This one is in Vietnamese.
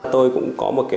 tôi cũng có một cái